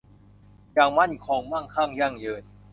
อย่างมั่นคง มั่งคั่ง ยั่งยืน